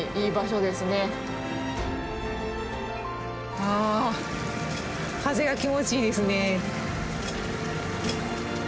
ああ風が気持ちいいですね。